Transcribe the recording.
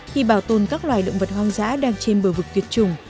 thì bảo tồn các loài động vật hoang dã đang trên bờ vực tuyệt chủng